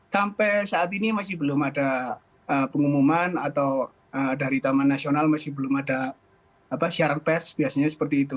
sampai saat ini masih belum ada pengumuman atau dari taman nasional masih belum ada siaran pes biasanya seperti itu